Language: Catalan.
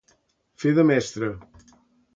Fer de mestre.